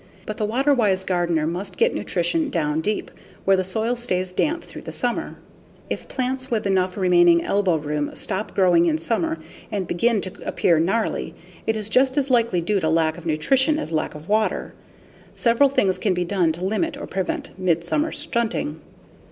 But the water wise gardener must get nutrition down deep, where the soil stays damp through the summer. If plants with enough remaining elbow room stop growing in summer and begin to appear gnarly, it is just as likely due to lack of nutrition as lack of water. Several things can be done to limit or prevent midsummer stunting.